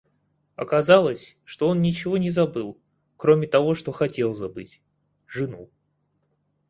Оказалось, что он ничего не забыл, кроме того, что хотел забыть,— жену.